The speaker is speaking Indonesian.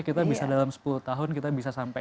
kita bisa dalam sepuluh tahun kita bisa sampai